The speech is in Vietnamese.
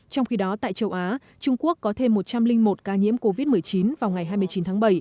trong khi đó tại châu á trung quốc có thêm một trăm linh một ca nhiễm covid một mươi chín vào ngày hai mươi chín tháng bảy